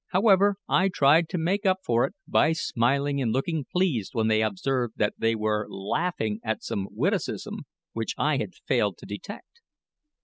However, I tried to make up for it by smiling and looking pleased when I observed that they were laughing at some witticism which I had failed to detect.